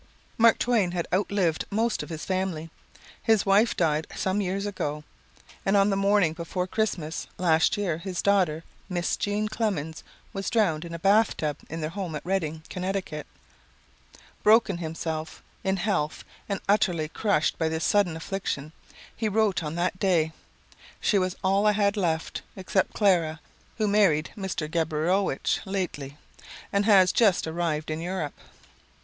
Mark Twain had outlived most of his family. His wife died some years ago and on the morning before Christmas, last year, his daughter, Miss Jean Clemens, was drowned in a bathtub in their home at Redding, Conn. Broken himself, in health, and utterly crushed by this sudden affliction, he wrote on that day: "She was all that I had left, except Clara, who married Mr. Gabrilowitsch lately, and has just arrived in Europe."